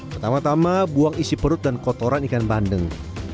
pertama tama buang isi perut dan kotoran ikan bandeng